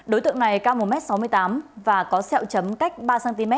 đối tượng này cao một m sáu mươi tám và có sẹo chấm cách ba cm